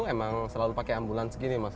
emang selalu pakai ambulans gini mas